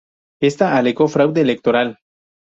Esta alegó fraude electoral.